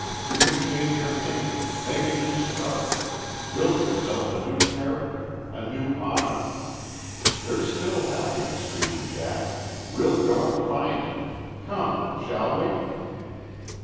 You can change your name make a new start build yourself a new character a new honor. There's still happiness for you, Jack! We'll go and find it! Come! Shall we?"